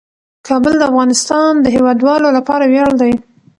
کابل د افغانستان د هیوادوالو لپاره ویاړ دی.